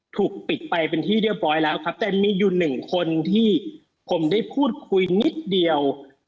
ถูกปิดไปเป็นที่เรียบร้อยแล้วครับแต่มีอยู่หนึ่งคนที่ผมได้พูดคุยนิดเดียว